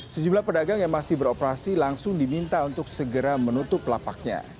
sejumlah pedagang yang masih beroperasi langsung diminta untuk segera menutup lapaknya